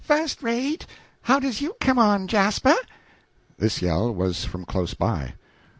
"Fust rate; how does you come on, Jasper?" This yell was from close by.